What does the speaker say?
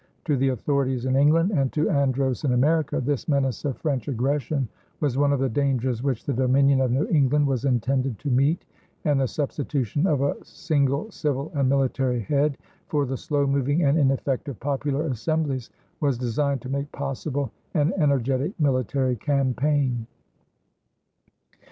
To the authorities in England and to Andros in America, this menace of French aggression was one of the dangers which the Dominion of New England was intended to meet, and the substitution of a single civil and military head for the slow moving and ineffective popular assemblies was designed to make possible an energetic military campaign.